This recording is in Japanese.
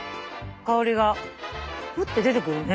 香りがフッて出てくるね。